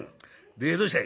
でどうしたい？」。